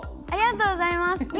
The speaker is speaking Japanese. ありがとうございます！